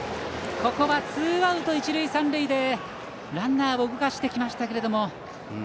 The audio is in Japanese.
ここはツーアウト一塁三塁でランナーを動かしてきましたけれども。